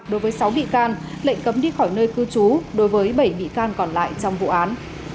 đối với sáu bị can lệnh cấm đi khỏi nơi cư trú đối với bảy bị can còn lại trong vụ án